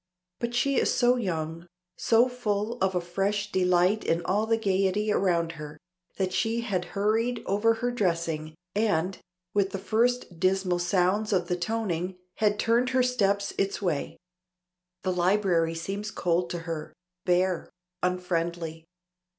But she is so young, so full of a fresh delight in all the gaiety around her, that she had hurried over her dressing, and, with the first dismal sounds of the toning, had turned her steps its way. The library seems cold to her, bare, unfriendly.